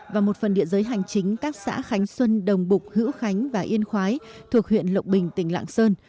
và một phần địa giới hành chính các xã khánh xuân đồng bục hữu khánh và yên khoái thuộc huyện lộc bình tỉnh lạng sơn